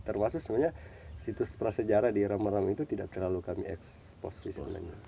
termasuk sebenarnya situs prasejarah di ramaram itu tidak terlalu kami expose sebenarnya